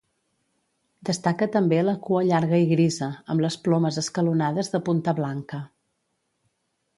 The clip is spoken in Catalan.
Destaca també la cua llarga i grisa, amb les plomes escalonades de punta blanca.